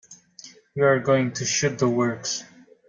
We're going to shoot the works.